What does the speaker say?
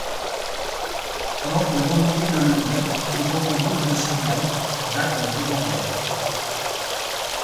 Pendant qu'il remontait le levier, mettant au rouge le signal, Jacques le regardait.